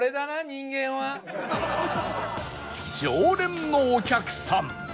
常連のお客さん